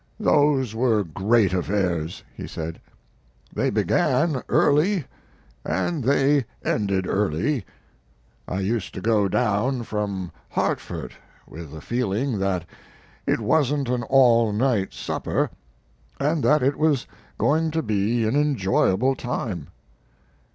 "Those were great affairs," he said. "They began early, and they ended early. I used to go down from Hartford with the feeling that it wasn't an all night supper, and that it was going to be an enjoyable time.